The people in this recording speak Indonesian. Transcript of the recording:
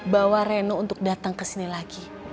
bawa reno untuk datang kesini lagi